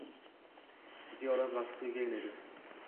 Ziyorat vaqti tugagan edi